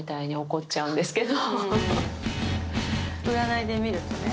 占いで見るとね。